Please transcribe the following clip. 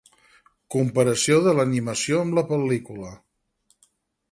Comparació de l'animació amb la pel•lícula.